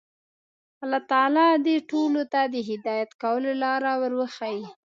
الله تعالی دې ټولو ته د هدایت کولو لاره ور وښيي.